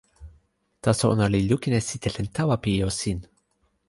taso ona li lukin e sitelen tawa pi ijo sin.